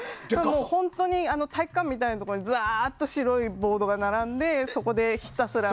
本当に体育館みたいなところにざーっと白いボードが並んでそこで、ひたすら。